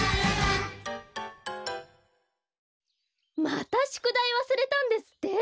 またしゅくだいわすれたんですって？